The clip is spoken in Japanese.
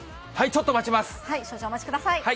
少々お待ちください。